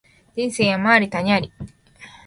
人生山あり谷あり